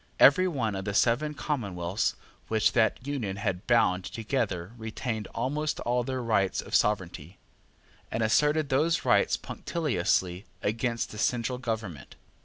Every one of the seven commonwealths which that Union had bound together retained almost all the rights of sovereignty, and asserted those rights punctiliously against the central government.